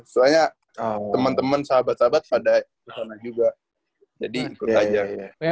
soalnya temen temen sahabat sahabat pada kesana juga jadi ikut aja